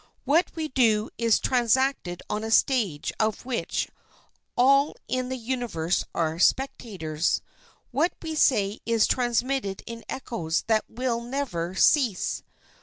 What we do is transacted on a stage of which all in the universe are spectators. What we say is transmitted in echoes that will never cease.